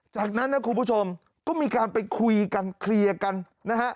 จากนั้นนะคุณผู้ชมก็มีการไปคุยกันเคลียร์กันนะฮะ